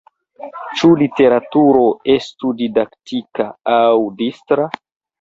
Ĉu literaturo estu didaktika aŭ distra?